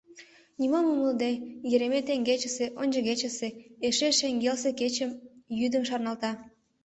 Нимом умылыде, Еремей теҥгечысе, ончыгечысе, эше шеҥгелсе кечым-йӱдым шарналта...